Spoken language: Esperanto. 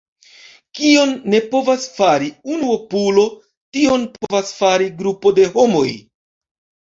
Kion ne povas fari unuopulo, tion povas fari grupo de homoj.